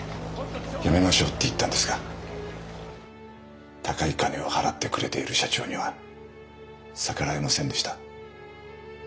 やめましょうって言ったんですが高い金を払ってくれている社長には逆らえませんでした。